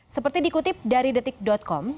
seperti dikutip dari detik com